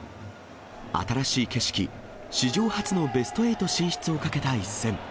新しい景色、史上初のベスト８進出をかけた一戦。